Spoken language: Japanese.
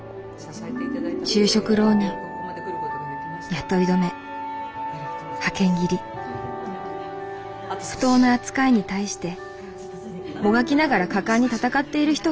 就職浪人雇い止め派遣切り不当な扱いに対してもがきながら果敢に戦っている人がいる。